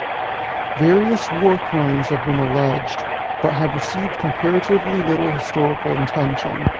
Various war crimes have been alleged, but have received comparatively little historical attention.